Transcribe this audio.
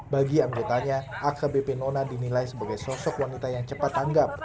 bagi anggotanya akbp nona dinilai sebagai sosok wanita yang cepat tanggap